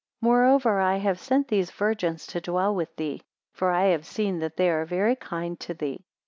15 Moreover, I have sent these virgins to dwell with thee; for I have seen that they are very kind to thee.